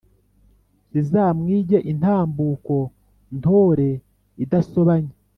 Zizamwige intambuko Ntore idasobanya.